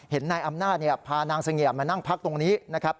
นายอำนาจพานางเสงี่ยมมานั่งพักตรงนี้นะครับ